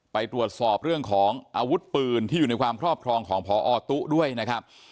ไปตรวจสอบเรื่องของอาวุธปืนที่อยู่ในความครอบครองของพอตุ๊ด้วยนะครับ